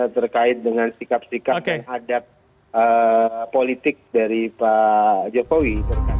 terkait dengan sikap sikap dan adat politik dari pak jokowi